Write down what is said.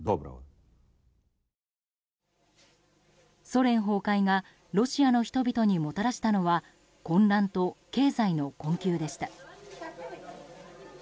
ソ連崩壊がロシアの人々にもたらしたのは混乱と経済の困窮でした。